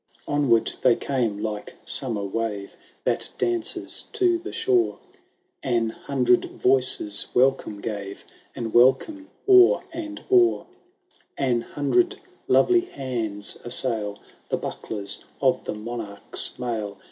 Onward they came, like summer wave That dances to the shore ; An hundred voices welcome gave, And welcome o*er and o'er ! An hundred lovely hands assail The bucklers of the monarch's mail.